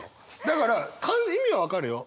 だから意味は分かるよ。